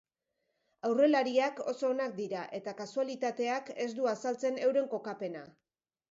Aurrelariak oso onak dira eta kasualitateak ez du azaltzen euren kokapena.